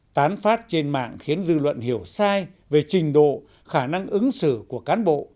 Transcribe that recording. tán phát trên mạng khiến dư luận hiểu sai về trình độ khả năng ứng xử của cán bộ